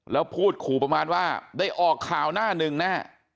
แล้วพูดขู่ประมาณว่าได้ออกข่าวหน้าหนึ่งแน่